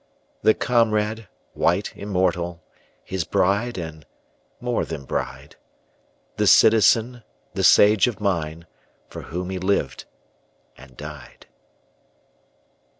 The comrade, white, immortal, His bride, and more than bride— The citizen, the sage of mind, For whom he lived and died.